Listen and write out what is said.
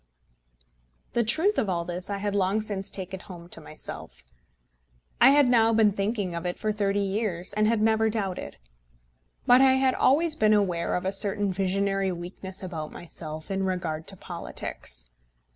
The truth of all this I had long since taken home to myself. I had now been thinking of it for thirty years, and had never doubted. But I had always been aware of a certain visionary weakness about myself in regard to politics.